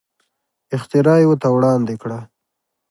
اختراع یې ورته وړاندې کړه.